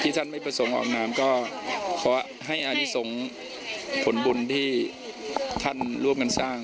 ท่านไม่ประสงค์ออกนามก็ขอให้อนิสงฆ์ผลบุญที่ท่านร่วมกันสร้าง